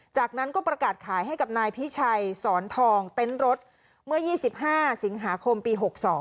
จากนั้นก็ประกาศขายให้กับนายพิชัยสอนทองเต็นต์รถเมื่อ๒๕สิงหาคมปี๖๒